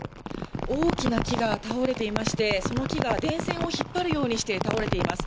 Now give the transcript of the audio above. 大きな木が倒れていまして、その木が電線を引っ張るようにして倒れています。